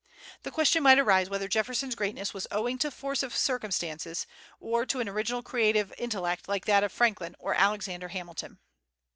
The question might arise whether Jefferson's greatness was owing to force of circumstances, or to an original, creative intellect, like that of Franklin or Alexander Hamilton.